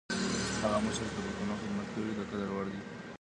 هغه مشر چي د پښتنو خدمت کوي، د قدر وړ دی.